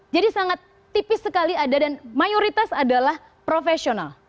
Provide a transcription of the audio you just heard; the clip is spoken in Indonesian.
jadi sangat tipis sekali ada dan mayoritas adalah profesional